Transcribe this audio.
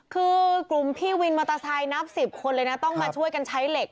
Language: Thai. คือกลุ่มมือวินสวัสดิ์ประตาไซหนัก๑๐คนเลยต้องมาช่วยกับใช้เหล็ก